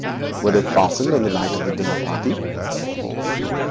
'Were they fastened on the night of the dinner party?'